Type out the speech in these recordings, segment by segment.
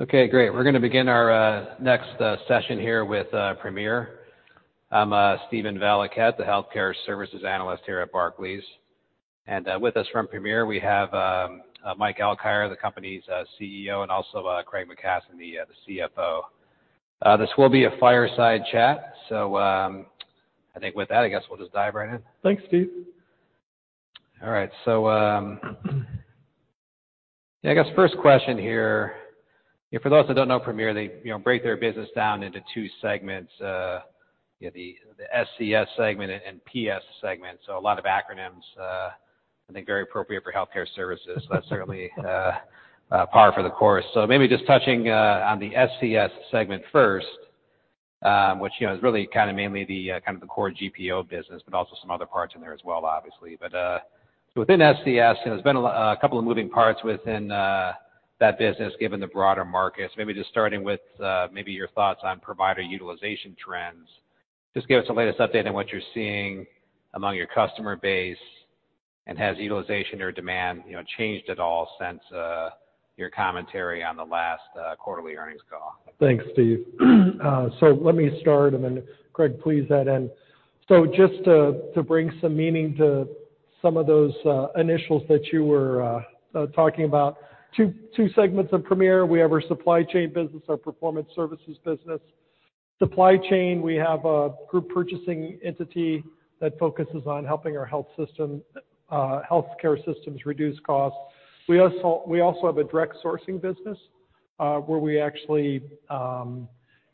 Okay, great. We're gonna begin our next session here with Premier. I'm Steven Valiquette, the healthcare services analyst here at Barclays. With us from Premier, we have Mike Alkire, the company's CEO, and also Craig McKasson, the CFO. This will be a fireside chat. I think with that, I guess we'll just dive right in. Thanks, Steve. All right. Yeah, I guess first question here. For those that don't know Premier Inc, you know, break their business down into two segments, you know, the SCS segment and PS segment. A lot of acronyms, I think very appropriate for healthcare services. That's certainly par for the course. Maybe just touching on the SCS segment first, which, you know, is really kinda mainly the, kind of the core GPO business but also some other parts in there as well, obviously. So within SCS, you know, there's been a couple of moving parts within that business given the broader markets. Maybe just starting with maybe your thoughts on provider utilization trends. Just give us the latest update on what you're seeing among your customer base, and has utilization or demand, you know, changed at all since your commentary on the last quarterly earnings call? Thanks, Steve. Let me start, and then Craig, please add in. Just to bring some meaning to some of those initials that you were talking about. Two segments of Premier. We have our Supply Chain business, our Performance Services business. Supply Chain, we have a group purchasing entity that focuses on helping our healthcare systems reduce costs. We also have a direct sourcing business, where we actually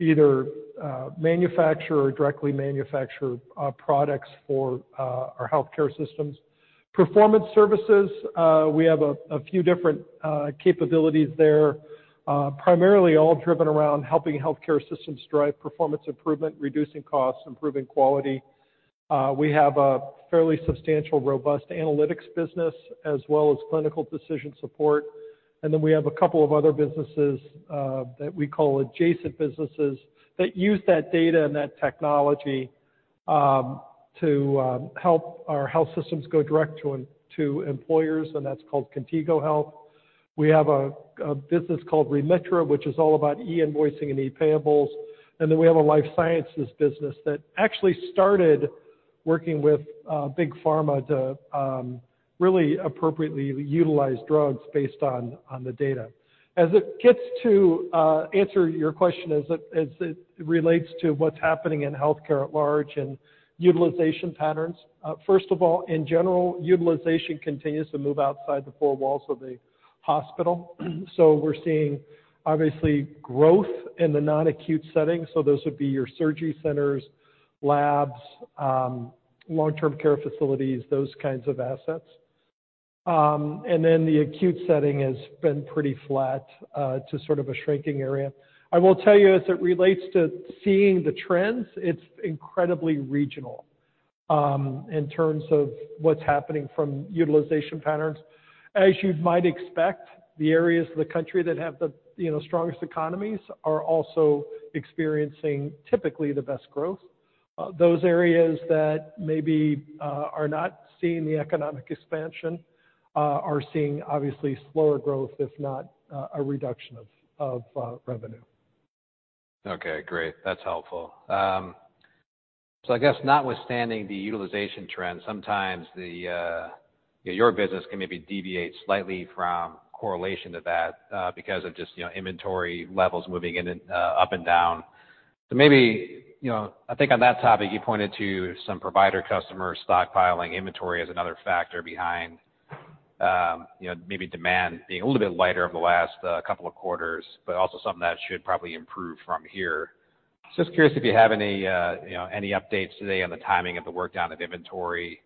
either manufacture or directly manufacture products for our healthcare systems. Performance Services, we have a few different capabilities there, primarily all driven around helping healthcare systems drive performance improvement, reducing costs, improving quality. We have a fairly substantial, robust analytics business as well as Clinical Decision Support. We have a couple of other businesses that we call adjacent businesses that use that data and that technology to help our health systems go direct to employers, and that's called Contigo Health. We have a business called Remitra, which is all about e-invoicing and e-payables. We have a Life Sciences business that actually started working with big pharma to really appropriately utilize drugs based on the data. As it gets to answer your question as it relates to what's happening in healthcare at large and utilization patterns. First of all, in general, utilization continues to move outside the four walls of the hospital. We're seeing obviously growth in the non-acute setting. Those would be your surgery centers, labs, long-term care facilities, those kinds of assets. The acute setting has been pretty flat to sort of a shrinking area. I will tell you, as it relates to seeing the trends, it's incredibly regional, in terms of what's happening from utilization patterns. As you might expect, the areas of the country that have the, you know, strongest economies are also experiencing typically the best growth. Those areas that maybe are not seeing the economic expansion are seeing obviously slower growth if not a reduction of revenue. Okay, great. That's helpful. I guess notwithstanding the utilization trend, sometimes the your business can maybe deviate slightly from correlation to that because of just, you know, inventory levels moving in and up and down. Maybe, you know, I think on that topic, you pointed to some provider customer stockpiling inventory as another factor behind, you know, maybe demand being a little bit lighter over the last couple of quarters, but also something that should probably improve from here. Just curious if you have any, you know, any updates today on the timing of the workdown of inventory.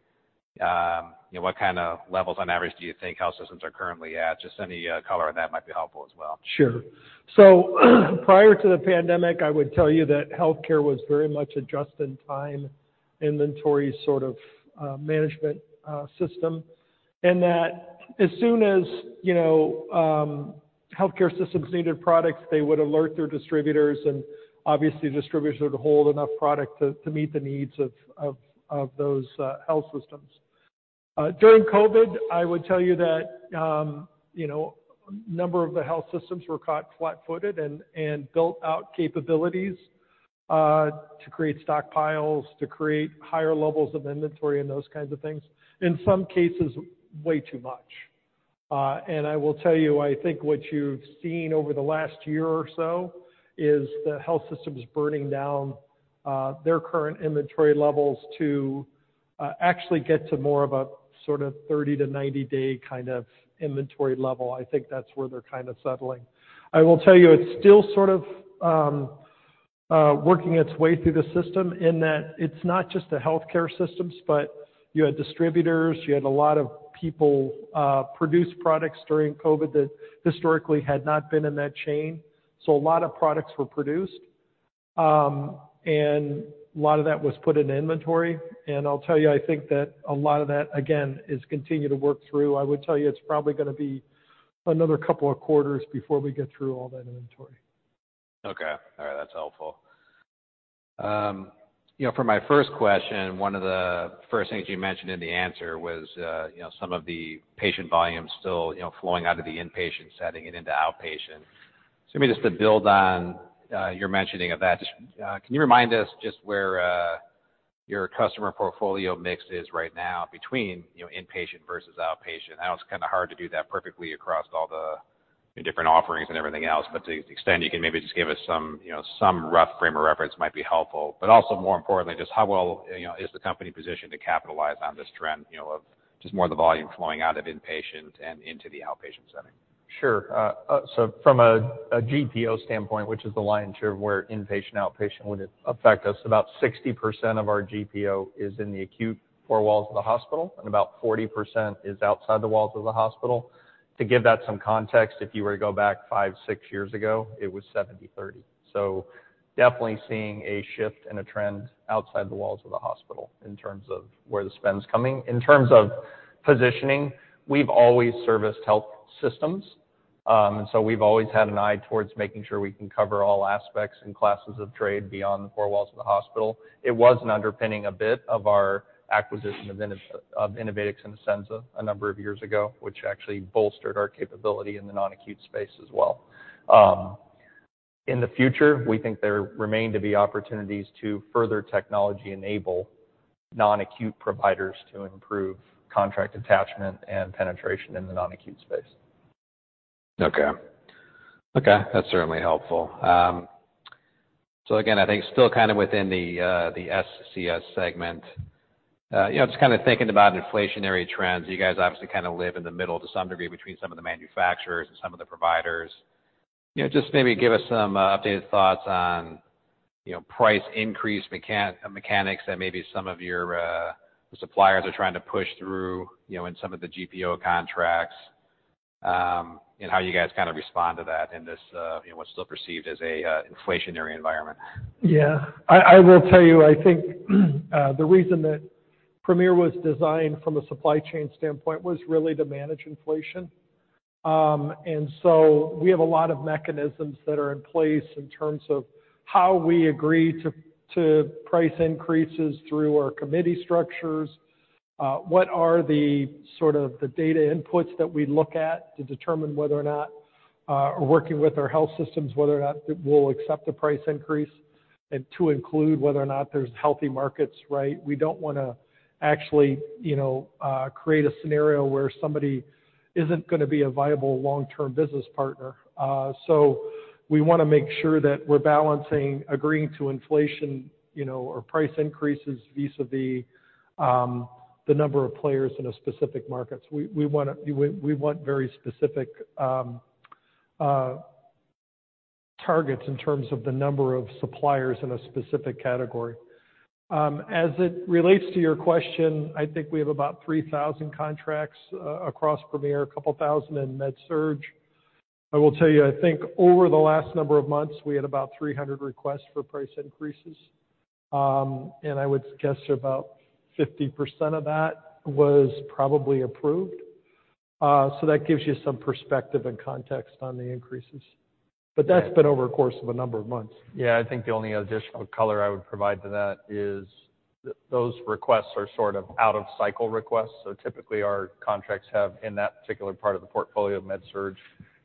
You know, what kind of levels on average do you think health systems are currently at? Just any color on that might be helpful as well. Sure. Prior to the pandemic, I would tell you that healthcare was very much a just-in-time inventory sort of management system. That as soon as, you know, healthcare systems needed products, they would alert their distributors, and obviously, distributors would hold enough product to meet the needs of those health systems. During COVID, I would tell you that, you know, a number of the health systems were caught flat-footed and built out capabilities to create stockpiles, to create higher levels of inventory and those kinds of things, in some cases, way too much. I will tell you, I think what you've seen over the last year or so is the health system is burning down their current inventory levels to actually get to more of a sort of 30-90-day kind of inventory level. I think that's where they're kinda settling. I will tell you it's still sort of working its way through the system in that it's not just the healthcare systems, but you had distributors, you had a lot of people produce products during COVID that historically had not been in that chain. A lot of products were produced, and a lot of that was put in inventory. I'll tell you, I think that a lot of that, again, is continuing to work through. I would tell you it's probably gonna be another couple of quarters before we get through all that inventory. Okay. All right. That's helpful. You know, for my first question, one of the first things you mentioned in the answer was, you know, some of the patient volume still, you know, flowing out of the inpatient setting and into outpatient. Maybe just to build on your mentioning of that, can you remind us just where your customer portfolio mix is right now between, you know, inpatient versus outpatient? I know it's kind of hard to do that perfectly across all the different offerings and everything else, but to the extent you can maybe just give us some, you know, some rough frame of reference might be helpful. Also, more importantly, just how well, you know, is the company positioned to capitalize on this trend, you know, of just more of the volume flowing out of inpatient and into the outpatient setting? Sure. From a GPO standpoint, which is the lion's share of where inpatient, outpatient would affect us, about 60% of our GPO is in the acute four walls of the hospital, and about 40% is outside the walls of the hospital. To give that some context, if you were to go back five, six years ago, it was 70/30. Definitely seeing a shift and a trend outside the walls of the hospital in terms of where the spend's coming. In terms of positioning, we've always serviced health systems, and so we've always had an eye towards making sure we can cover all aspects and classes of trade beyond the four walls of the hospital. It was an underpinning a bit of our acquisition of Innovatix and Essensa a number of years ago, which actually bolstered our capability in the non-acute space as well. In the future, we think there remain to be opportunities to further technology enable non-acute providers to improve contract attachment and penetration in the non-acute space. Okay. Okay, that's certainly helpful. Again, I think still kind of within the SCS segment, you know, just kinda thinking about inflationary trends. You guys obviously kind of live in the middle to some degree between some of the manufacturers and some of the providers. You know, just maybe give us some updated thoughts on, you know, price increase mechanics that maybe some of your suppliers are trying to push through, you know, in some of the GPO contracts, and how you guys kinda respond to that in this, you know, what's still perceived as a inflationary environment. Yeah. I will tell you, I think, the reason that Premier was designed from a supply chain standpoint was really to manage inflation. We have a lot of mechanisms that are in place in terms of how we agree to price increases through our committee structures. What are the sort of the data inputs that we look at to determine whether or not, or working with our health systems, whether or not we'll accept a price increase, and to include whether or not there's healthy markets, right? We don't wanna actually, you know, create a scenario where somebody isn't gonna be a viable long-term business partner. We wanna make sure that we're balancing agreeing to inflation, you know, or price increases vis-a-vis, the number of players in a specific market. We want very specific targets in terms of the number of suppliers in a specific category. As it relates to your question, I think we have about 3,000 contracts across Premier, couple thousands in MedSurg. I will tell you, I think over the last number of months, we had about 300 requests for price increases. I would guess about 50% of that was probably approved. That gives you some perspective and context on the increases. That's been over a course of a number of months. Yeah. I think the only additional color I would provide to that is those requests are sort of out of cycle requests. Typically our contracts have, in that particular part of the portfolio of MedSurg,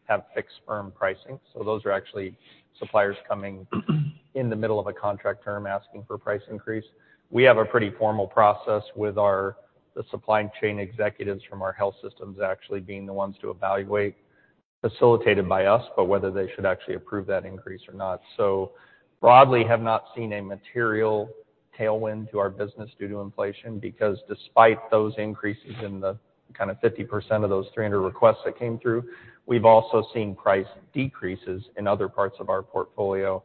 have fixed firm pricing. Those are actually suppliers coming in the middle of a contract term asking for a price increase. We have a pretty formal process with our, the supply chain executives from our health systems actually being the ones to evaluate, facilitated by us, but whether they should actually approve that increase or not. Broadly have not seen a material tailwind to our business due to inflation because despite those increases in the 50% of those 300 requests that came through, we've also seen price decreases in other parts of our portfolio,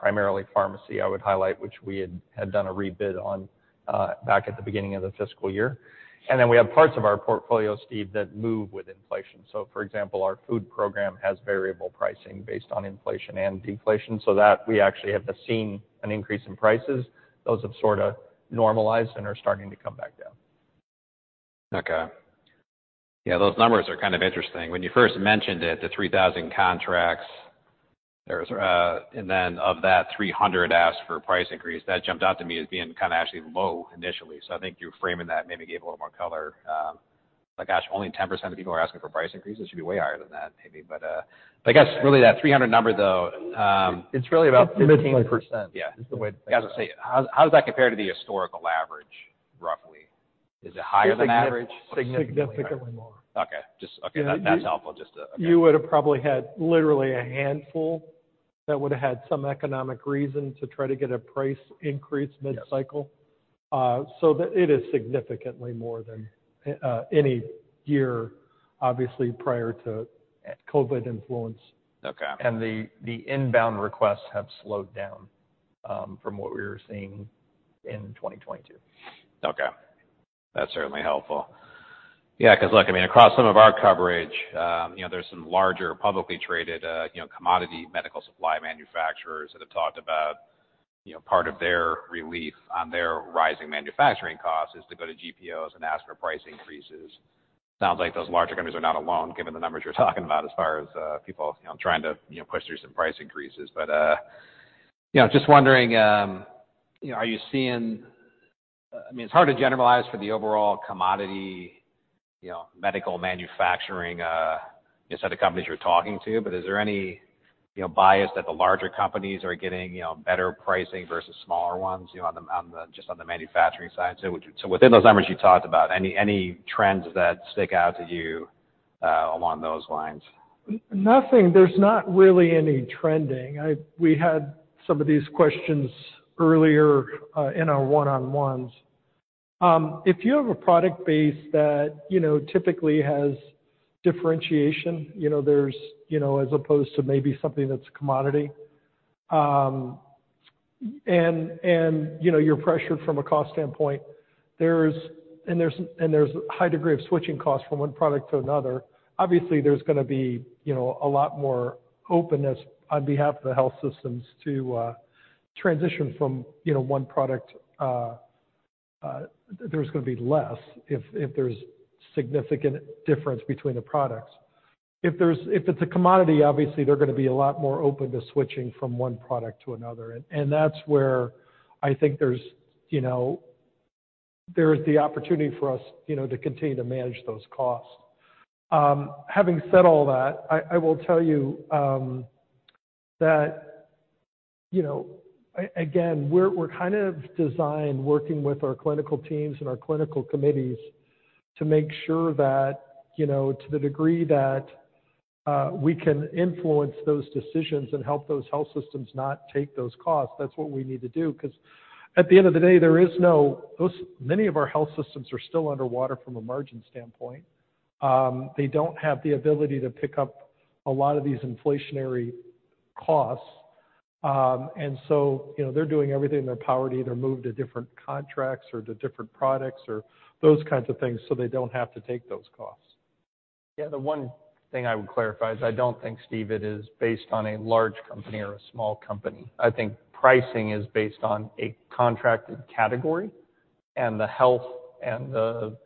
primarily pharmacy, I would highlight, which we had done a rebid on back at the beginning of the fiscal year. We have parts of our portfolio, Steve, that move with inflation. For example, our food program has variable pricing based on inflation and deflation, we actually have seen an increase in prices. Those have sort of normalized and are starting to come back down. Okay. Yeah, those numbers are kind of interesting. When you first mentioned it, the 3,000 contracts, there's, and then of that, 300 asked for a price increase. That jumped out to me as being kinda actually low initially. I think you framing that maybe gave a little more color. Like, gosh, only 10% of people are asking for price increases? It should be way higher than that, maybe. But I guess really that 300 number, though. It's really about 15%. It's mid-single. Yeah. I was gonna say, how does that compare to the historical average, roughly? Is it higher than average? Significantly more. Okay. Just, okay, that's helpful just to... Okay. You would have probably had literally a handful that would have had some economic reason to try to get a price increase mid-cycle. It is significantly more than any year, obviously, prior to COVID influence. Okay. The inbound requests have slowed down from what we were seeing in 2022. Okay. That's certainly helpful. Yeah, 'cause look, I mean, across some of our coverage, you know, there's some larger publicly traded, you know, commodity medical supply manufacturers that have talked about, you know, part of their relief on their rising manufacturing costs is to go to GPOs and ask for price increases. Sounds like those larger companies are not alone given the numbers you're talking about as far as people, you know, trying to, you know, push through some price increases. You know, just wondering, you know, are you seeing, I mean, it's hard to generalize for the overall commodity, you know, medical manufacturing, set of companies you're talking to, but is there any, you know, bias that the larger companies are getting, you know, better pricing versus smaller ones, you know, on the just on the manufacturing side? Within those numbers you talked about, any trends that stick out to you along those lines? Nothing. There's not really any trending. We had some of these questions earlier in our one-on-ones. If you have a product base that, you know, typically has differentiation, you know, there's, you know, as opposed to maybe something that's commodity, and, you know, you're pressured from a cost standpoint. There's high degree of switching costs from one product to another. Obviously, there's gonna be, you know, a lot more openness on behalf of the health systems to transition from, you know, one product. There's gonna be less if there's significant difference between the products. If it's a commodity, obviously they're gonna be a lot more open to switching from one product to another. That's where I think there's, you know, there's the opportunity for us, you know, to continue to manage those costs. Having said all that, I will tell you, that, you know, we're kind of designed working with our clinical teams and our clinical committees to make sure that, you know, to the degree that, we can influence those decisions and help those health systems not take those costs. That's what we need to do. 'Cause at the end of the day, many of our health systems are still underwater from a margin standpoint. They don't have the ability to pick up a lot of these inflationary costs. You know, they're doing everything in their power to either move to different contracts or to different products or those kinds of things, so they don't have to take those costs. Yeah. The one thing I would clarify is I don't think, Steve, it is based on a large company or a small company. I think pricing is based on a contracted category and the health and the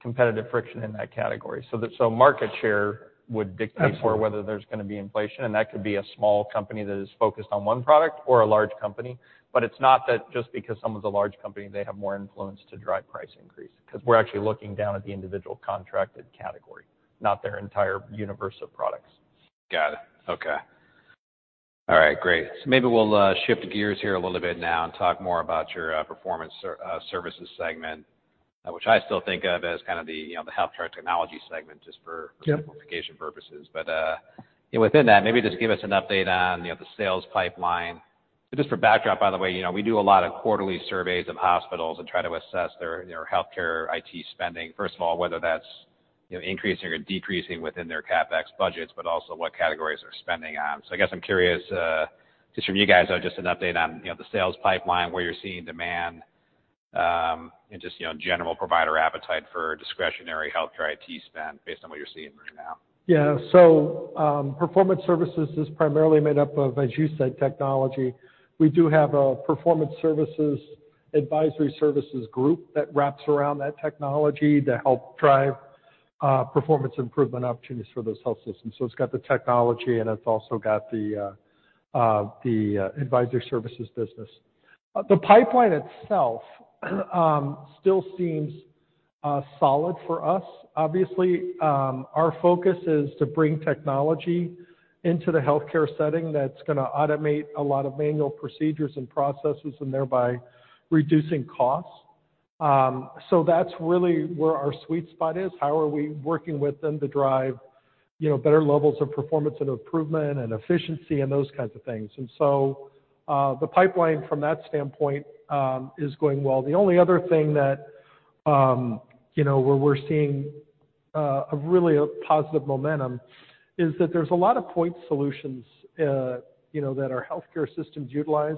competitive friction in that category. Market share would dictate— Absolutely — for whether there's gonna be inflation, and that could be a small company that is focused on one product or a large company. It's not that just because someone's a large company, they have more influence to drive price increase. 'Cause we're actually looking down at the individual contracted category, not their entire universe of products. Got it. Okay. All right, great. Maybe we'll shift gears here a little bit now and talk more about your Performance Services segment, which I still think of as kind of the, you know, the health chart technology segment. Yeah. Simplification purposes. Within that, maybe just give us an update on, you know, the sales pipeline. Just for backdrop, by the way, you know, we do a lot of quarterly surveys of hospitals and try to assess their healthcare IT spending. First of all, whether that's, you know, increasing or decreasing within their CapEx budgets, but also what categories they're spending on. I guess I'm curious, just from you guys, though, just an update on, you know, the sales pipeline, where you're seeing demand, and just, you know, general provider appetite for discretionary healthcare IT spend based on what you're seeing right now. Yeah. Performance Services is primarily made up of, as you said, technology. We do have a Performance Services advisory services group that wraps around that technology to help drive performance improvement opportunities for those health systems. It's got the technology, and it's also got the advisory services business. The pipeline itself still seems solid for us. Obviously, our focus is to bring technology into the healthcare setting that's gonna automate a lot of manual procedures and processes and thereby reducing costs. That's really where our sweet spot is. How are we working with them to drive, you know, better levels of performance and improvement and efficiency and those kinds of things? The pipeline from that standpoint is going well. The only other thing that, you know, where we're seeing really a positive momentum is that there's a lot of point solutions, you know, that our healthcare systems utilize.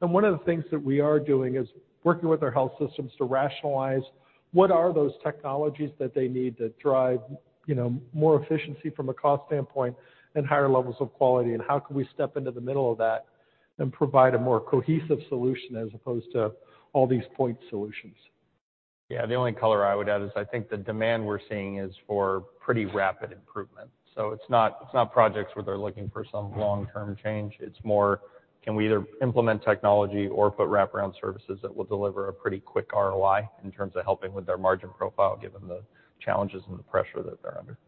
One of the things that we are doing is working with our health systems to rationalize what are those technologies that they need to drive, you know, more efficiency from a cost standpoint and higher levels of quality, and how can we step into the middle of that and provide a more cohesive solution as opposed to all these point solutions. Yeah. The only color I would add is I think the demand we're seeing is for pretty rapid improvement. It's not projects where they're looking for some long-term change. It's more, can we either implement technology or put wraparound services that will deliver a pretty quick ROI in terms of helping with their margin profile, given the challenges and the pressure that they're under.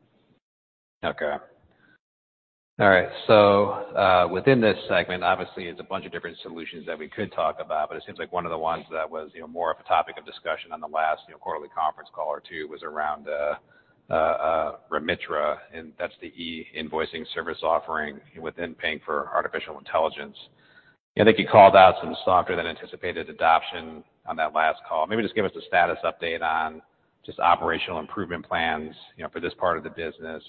Within this segment, obviously, it's a bunch of different solutions that we could talk about, but it seems like one of the ones that was, you know, more of a topic of discussion on the last, you know, quarterly conference call or two was around Remitra, and that's the e-invoicing service offering within PINC for artificial intelligence. I think you called out some softer than anticipated adoption on that last call. Maybe just give us a status update on just operational improvement plans, you know, for this part of the business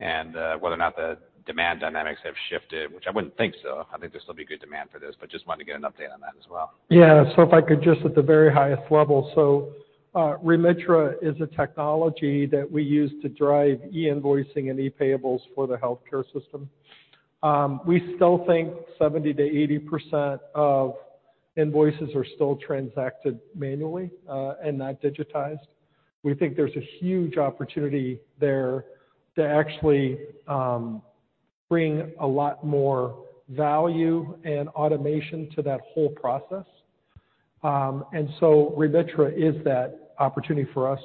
and whether or not the demand dynamics have shifted, which I wouldn't think so. I think there's still be good demand for this, but just wanted to get an update on that as well. If I could just at the very highest level. Remitra is a technology that we use to drive e-invoicing and e-payables for the healthcare system. We still think 70%-80% of invoices are still transacted manually, not digitized. We think there's a huge opportunity there to actually bring a lot more value and automation to that whole process. Remitra is that opportunity for us.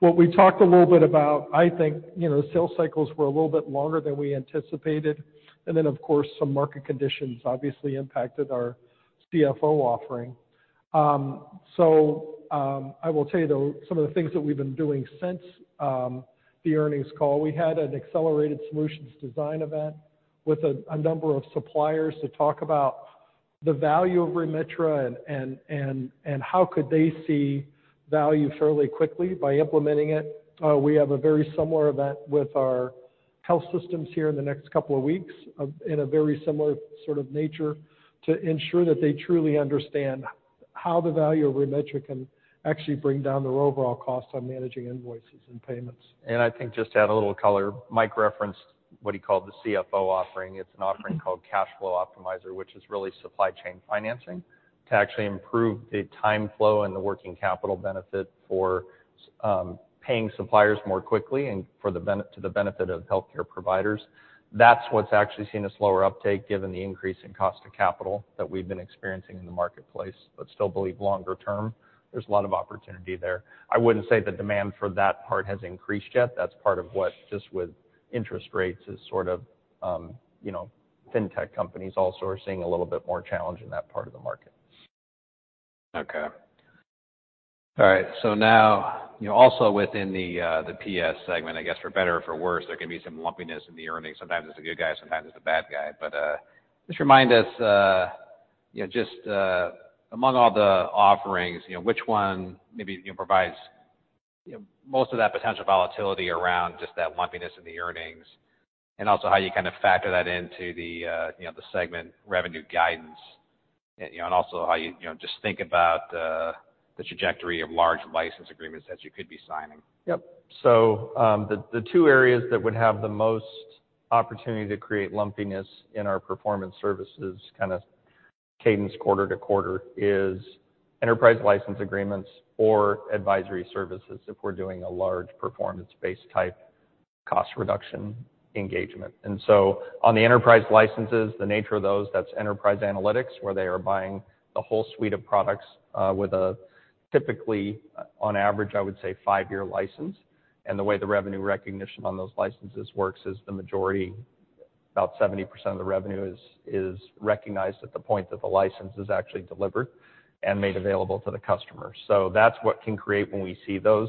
What we talked a little bit about, I think, you know, sales cycles were a little bit longer than we anticipated, of course, some market conditions obviously impacted our CFO offering. I will tell you though, some of the things that we've been doing since the earnings call. We had an accelerated solutions design event with a number of suppliers to talk about the value of Remitra and how could they see value fairly quickly by implementing it. We have a very similar event with our health systems here in the next couple of weeks in a very similar sort of nature to ensure that they truly understand how the value of Remitra can actually bring down their overall costs on managing invoices and payments. I think just to add a little color, Mike referenced what he called the CFO offering. It's an offering called Cash Flow Optimizer, which is really supply chain financing to actually improve the time flow and the working capital benefit for paying suppliers more quickly and for the benefit of healthcare providers. That's what's actually seen a slower uptake given the increase in cost of capital that we've been experiencing in the marketplace. Still believe longer term, there's a lot of opportunity there. I wouldn't say the demand for that part has increased yet. That's part of what, just with interest rates is sort of, you know, fintech companies also are seeing a little bit more challenge in that part of the market. Okay. All right. Now, you know, also within the PS segment, I guess for better or for worse, there can be some lumpiness in the earnings. Sometimes it's a good guy, sometimes it's a bad guy. Just remind us, you know, just among all the offerings, you know, which one maybe, you know, provides, you know, most of that potential volatility around just that lumpiness in the earnings. Also how you kind of factor that into the, you know, the segment revenue guidance. You know, and also how you know, just think about the trajectory of large license agreements as you could be signing. Yep. The two areas that would have the most opportunity to create lumpiness in our Performance Services kind of cadence quarter-to-quarter is enterprise license agreements or advisory services if we're doing a large performance-based type cost reduction engagement. On the enterprise licenses, the nature of those, that's enterprise analytics, where they are buying the whole suite of products, with a typically, on average, I would say five-year license. The way the revenue recognition on those licenses works is the majority, about 70% of the revenue is recognized at the point that the license is actually delivered and made available to the customer. That's what can create when we see those,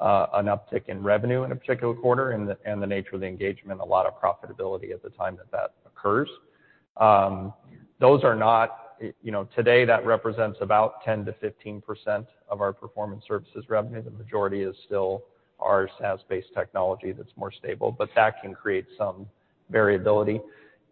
an uptick in revenue in a particular quarter and the nature of the engagement, a lot of profitability at the time that that occurs. You know, today, that represents about 10%-15% of our Performance Services revenue. The majority is still our SaaS-based technology that's more stable, That can create some variability.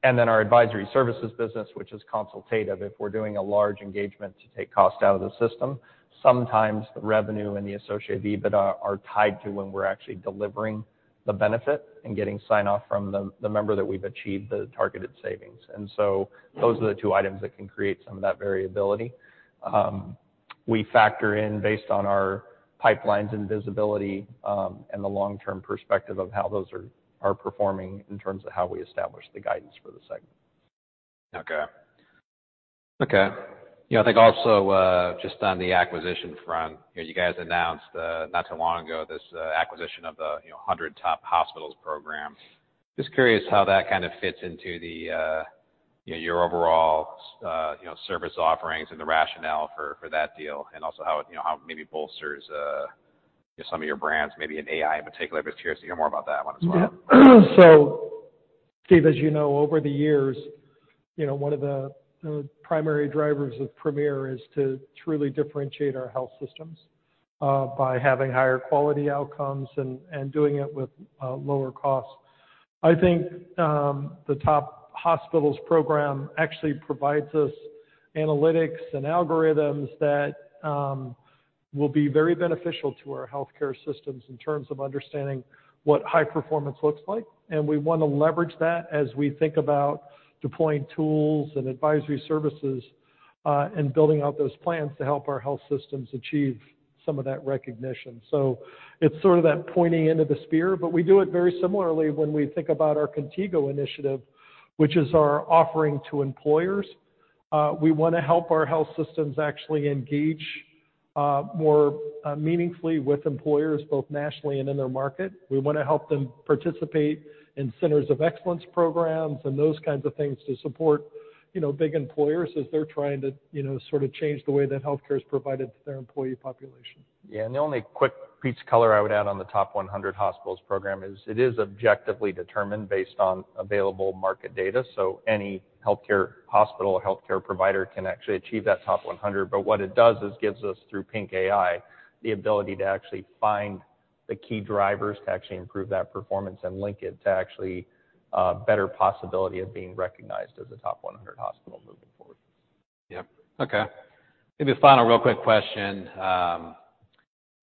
Our advisory services business, which is consultative, if we're doing a large engagement to take cost out of the system, sometimes the revenue and the associated EBITDA are tied to when we're actually delivering the benefit and getting sign-off from the member that we've achieved the targeted savings. Those are the two items that can create some of that variability. We factor in based on our pipelines and visibility, and the long-term perspective of how those are performing in terms of how we establish the guidance for the segment. Okay. Okay. You know, I think also, just on the acquisition front, you know, you guys announced, not too long ago this, acquisition of the, 100 Top Hospitals Program. just curious how that kind of fits into the, you know, your overall service offerings and the rationale for that deal, and also how it maybe bolsters, you know, some of your brands, maybe in AI in particular. Just curious to hear more about that one as well. Yeah. Steve, as you know, over the years, you know, one of the primary drivers of Premier is to truly differentiate our health systems, by having higher quality outcomes and doing it with lower costs. I think, the Top Hospitals Program actually provides us analytics and algorithms that will be very beneficial to our healthcare systems in terms of understanding what high performance looks like. We wanna leverage that as we think about deploying tools and advisory services, and building out those plans to help our health systems achieve some of that recognition. It's sort of that pointy end of the spear, we do it very similarly when we think about our Contigo initiative, which is our offering to employers. We wanna help our health systems actually engage more meaningfully with employers both nationally and in their market. We wanna help them participate in centers of excellence programs and those kinds of things to support, you know, big employers as they're trying to, you know, sort of change the way that healthcare is provided to their employee population. Yeah. The only quick piece of color I would add on the Top 100 Hospitals program is it is objectively determined based on available market data, so any healthcare, hospital or healthcare provider can actually achieve that Top 100. What it does is gives us, through PINC AI, the ability to actually find the key drivers to actually improve that performance and link it to actually a better possibility of being recognized as a Top 100 Hospital moving forward. Yep. Okay. Maybe a final real quick question. I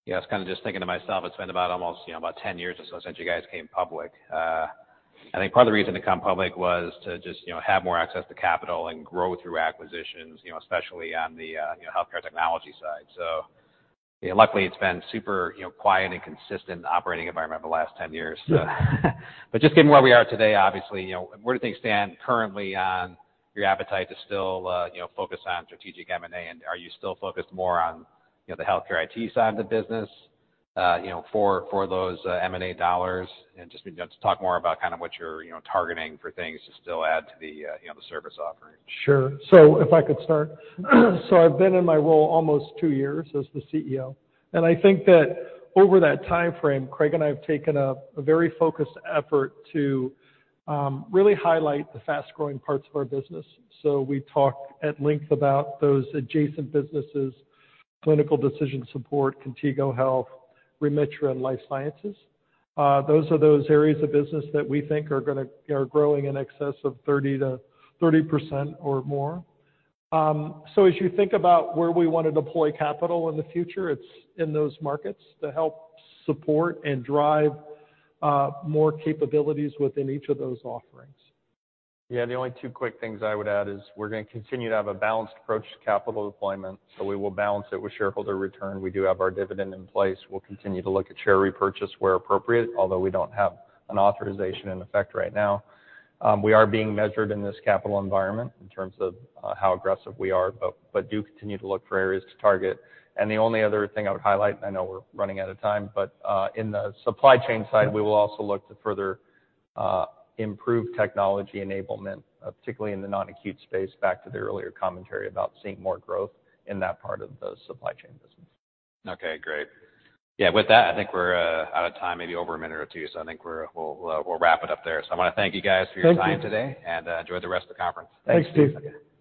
was kind of just thinking to myself, it's been about almost, you know, about 10 years or so since you guys came public. I think part of the reason to come public was to just, you know, have more access to capital and grow through acquisitions, you know, especially on the, you know, healthcare technology side. Luckily, it's been super, you know, quiet and consistent operating environment the last 10 years. Just given where we are today, obviously, you know, where do things stand currently on your appetite to still, you know, focus on strategic M&A? Are you still focused more on, you know, the healthcare IT side of the business, you know, for those M&A dollars? Just, you know, just talk more about kind of what you're, you know, targeting for things to still add to the, you know, the service offering. Sure. If I could start. I've been in my role almost two years as the CEO, and I think that over that timeframe, Craig and I have taken a very focused effort to really highlight the fast-growing parts of our business. We talked at length about those adjacent businesses, Clinical Decision Support, Contigo Health, Remitra, and life sciences. Those are those areas of business that we think are growing in excess of 30%-30% or more. As you think about where we want to deploy capital in the future, it's in those markets to help support and drive more capabilities within each of those offerings. Yeah. The only two quick things I would add is we're gonna continue to have a balanced approach to capital deployment, so we will balance it with shareholder return. We do have our dividend in place. We'll continue to look at share repurchase where appropriate, although we don't have an authorization in effect right now. We are being measured in this capital environment in terms of how aggressive we are, but do continue to look for areas to target. The only other thing I would highlight, I know we're running out of time, but in the Supply Chain side, we will also look to further improve technology enablement, particularly in the non-acute space, back to the earlier commentary about seeing more growth in that part of the Supply Chain business. Okay, great. Yeah, with that, I think we're out of time, maybe over a minute or two. I think we'll wrap it up there. I wanna thank you guys for your time today. Thank you. Enjoy the rest of the conference. Thanks, Steve. Thanks.